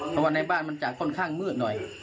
เพราะว่าในบ้านมันจะค่อนข้างมืดหน่อย